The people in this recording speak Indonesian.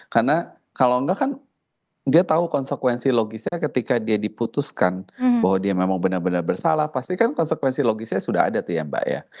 karena kalau enggak kan dia tahu konsekuensi logisnya ketika dia diputuskan bahwa dia memang benar benar bersalah pasti kan konsekuensi logisnya sudah ada tuh ya mbak ya